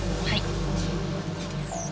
はい。